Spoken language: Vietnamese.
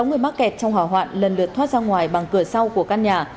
sáu người mắc kẹt trong hỏa hoạn lần lượt thoát ra ngoài bằng cửa sau của căn nhà